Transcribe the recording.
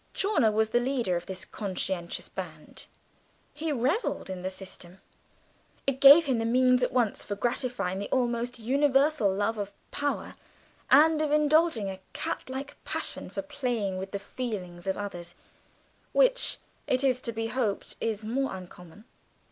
Chawner was the leader of this conscientious band; he revelled in the system. It gave him the means at once of gratifying the almost universal love of power and of indulging a catlike passion for playing with the feelings of others, which, it is to be hoped, is more uncommon.